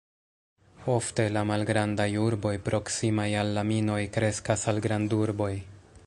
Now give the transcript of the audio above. Ofte la malgrandaj urboj proksimaj al la minoj kreskas al grandurboj.